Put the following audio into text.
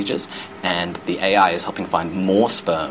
ai membantu menemukan lebih banyak sperma